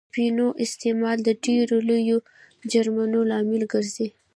اپینو استعمال د ډېرو لویو جرمونو لامل ګرځي.